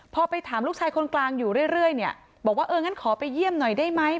พอไปถามลูกชายคนกลางอยู่เรื่อยเนี่ยบอกว่าเอองั้นขอไปเยี่ยมหน่อยได้ไหม